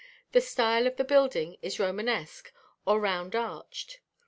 The style of the building is Romanesque, or round arched.